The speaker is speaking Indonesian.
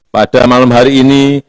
pada malam hari ini